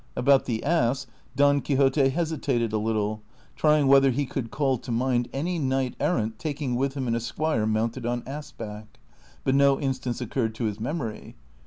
About the ass, Don Quixote hesitated a little, trying whether he could call to mind any knight errant taking with him an esqiiire mounted on ass back, but no instance occurred to his mem ory.